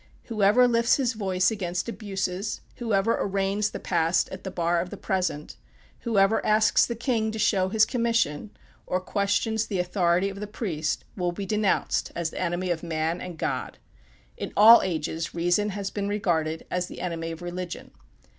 Whoever, lifts his voice against abuses, whoever arraigns the past at the bar of the present, whoever asks the king to show his commission, or questions the authority of the priest, will be denounced as the enemy of man and God. In all ages reason has been regarded as the enemy of religion.